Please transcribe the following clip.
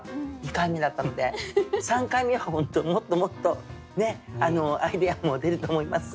２回目だったので３回目はもっともっとアイデアも出ると思います。